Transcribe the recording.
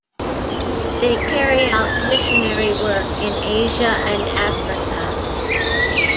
They carry out missionary work in Asia and Africa.